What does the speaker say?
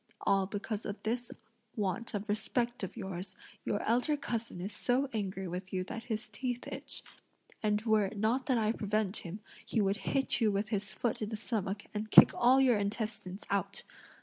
All because of this want of respect of yours, your elder cousin is so angry with you that his teeth itch; and were it not that I prevent him, he would hit you with his foot in the stomach and kick all your intestines out!